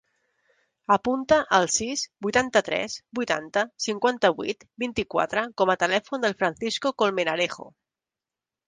Apunta el sis, vuitanta-tres, vuitanta, cinquanta-vuit, vint-i-quatre com a telèfon del Francisco Colmenarejo.